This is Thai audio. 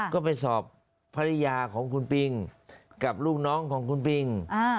ก็ไปสอบภรรยาของคุณปิงกับลูกน้องของคุณปิง